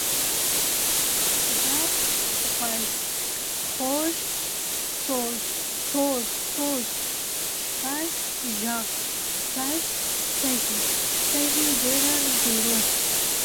غږ، غوږ، خوَږ، ځوږ، شپږ، ږغ، سږ، سږی، سږي، ږېره، ږېروَر .